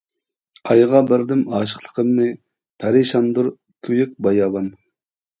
ئايغا بەردىم ئاشىقلىقىمنى، پەرىشاندۇر كۆيۈك باياۋان.